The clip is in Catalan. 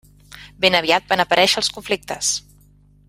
Ben aviat van aparèixer els conflictes.